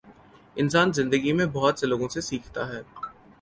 انسان زندگی میں بہت سے لوگوں سے سیکھتا ہے